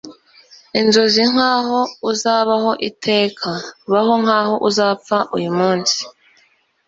Inzozi nkaho uzabaho iteka. Baho nkaho uzapfa uyu munsi.